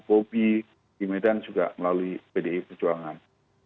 bobi di medan juga melalui pdi perjuangan